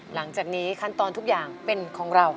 หลังจากนี้ขั้นตอนทุกอย่างเป็นของเรา